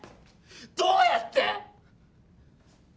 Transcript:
どうやって！？